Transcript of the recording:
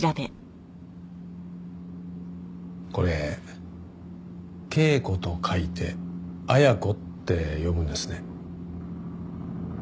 これ「恵子」と書いて「あやこ」って読むんですね。